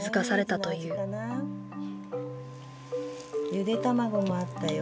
ゆで卵もあったよ。